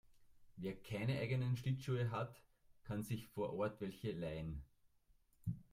Wer keine eigenen Schlittschuhe hat, kann sich vor Ort welche leihen.